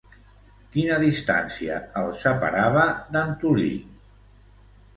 Quina distància el separava d'Antolí?